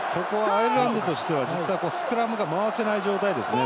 アイルランドとしてはスクラムが回せない状態ですね。